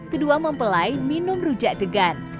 kedua mempelai minum rujak degan